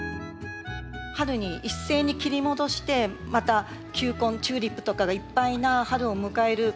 春に一斉に切り戻してまた球根チューリップとかがいっぱいな春を迎える。